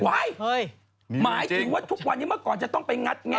หมายถึงว่าทุกวันนี้เมื่อก่อนจะต้องไปงัดแงะ